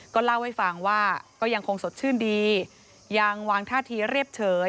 ก็เล่าให้ฟังว่าก็ยังคงสดชื่นดียังวางท่าทีเรียบเฉย